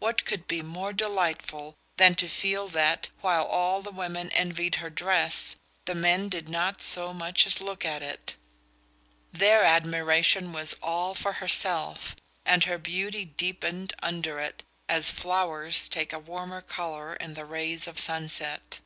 What could be more delightful than to feel that, while all the women envied her dress, the men did not so much as look at it? Their admiration was all for herself, and her beauty deepened under it as flowers take a warmer colour in the rays of sunset.